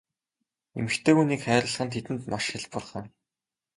Эмэгтэй хүнийг хайрлах нь тэдэнд маш хялбархан.